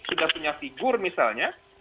sudah punya figur misalnya